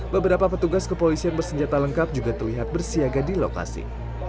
beberapa petugas kepolisian bersenjata lengkap juga terlihat bersiaga di lokasi